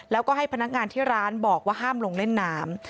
แล้วก็ให้พนักงานที่ร้านบอกว่าห้ามลงเล่นน้ำ